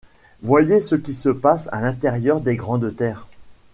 Voyez ce qui se passe à l’intérieur des grandes terres.